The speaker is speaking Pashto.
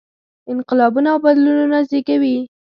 انقلابونه او بدلونونه زېږوي.